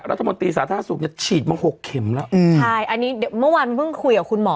รัฐมนตรีสาธารณสุขเนี่ยฉีดมาหกเข็มแล้วอืมใช่อันนี้เดี๋ยวเมื่อวานเพิ่งคุยกับคุณหมอ